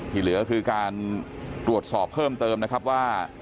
ที่เหลือคือการตรวจสอบเพิ่มเติมนะครับว่า